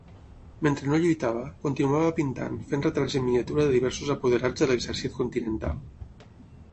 Mentre no lluitava, continuava pintant, fent retrats en miniatura de diversos apoderats de l'Exèrcit Continental.